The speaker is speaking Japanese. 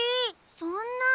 そんな！